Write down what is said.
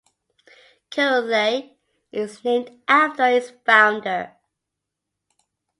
Currently, it's named after its founder.